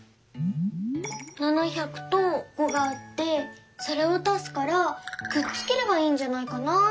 「７００」と「５」があってそれを足すからくっつければいいんじゃないかなって。